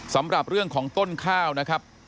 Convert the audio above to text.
สำหรับเรื่องของต้นข้าวนะครับ